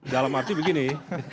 dalam arti begini